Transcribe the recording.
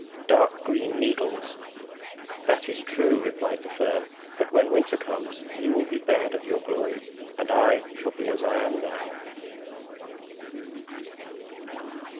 Dark green needles! That is true_, replied the fir, but when winter comes, you will be bared of your glory; and I shall be as I am now.